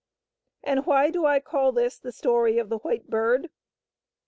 And why do I call this the story of the White Bird